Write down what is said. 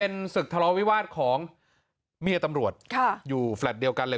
ศึกทะเลาวิวาสของเมียตำรวจค่ะอยู่แฟลตเดียวกันเลย